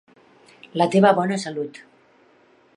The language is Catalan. La teva bona salut.